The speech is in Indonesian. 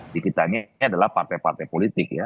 dikitannya adalah partai partai politik ya